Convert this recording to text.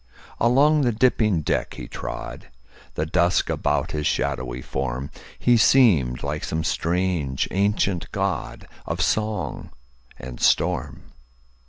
Along the dipping deck he trod, The dusk about his shadowy form; He seemed like some strange ancient godOf song and storm.